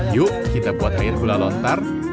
yuk kita buat air gula lontar